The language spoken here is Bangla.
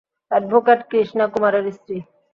অ্যাডভোকেট কৃষ্ণা কুমারের স্ত্রী।